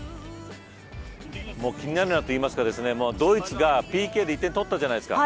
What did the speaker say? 気になるなといいますかドイツがＰＫで１点取ったじゃないですか。